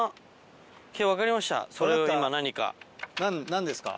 何ですか？